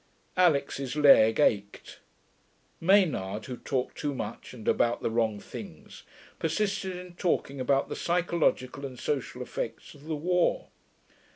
Alix's leg ached. Maynard, who talked too much and about the wrong things, persisted in talking about the psychological and social effects of the war.